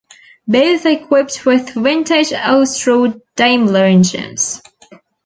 Both are equipped with vintage Austro-Daimler engines.